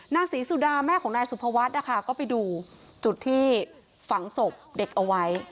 นางศรีสุดาแม่ของนายสุภวัฒน์นะคะก็ไปดูจุดที่ฝังศพเด็กเอาไว้